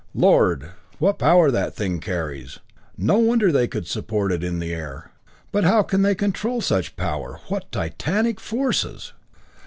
"Lord what power that thing carries! No wonder they could support it in the air! But how can they control such power? What titanic forces!"